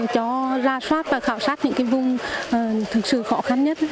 cho ra soát và khảo sát những vùng thực sự khó khăn nhất